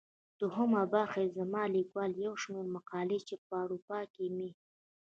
دوهمه برخه يې زما ليکوال يو شمېر مقالې چي په اروپا کې مي.